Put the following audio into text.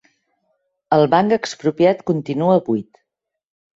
El Banc Expropiat continua buit